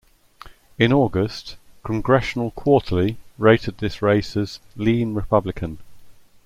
In August "Congressional Quarterly" rated this race as "Lean Republican.